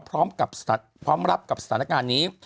พร้อมรับกับสถานการณ์นี้